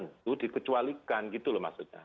itu dikecualikan gitu loh maksudnya